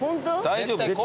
大丈夫。